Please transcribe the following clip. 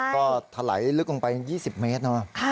ก็ถลายลึกลงไป๒๐เมตรเนอะ